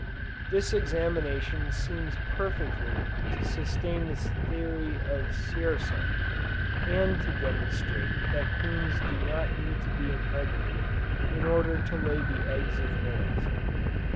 This examination seems perfectly to sustain the theory of Dzierzon, and to demonstrate that Queens do not need to be impregnated, in order to lay the eggs of males.